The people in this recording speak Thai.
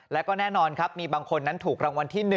แล้วก็แน่นอนครับมีบางคนนั้นถูกรางวัลที่๑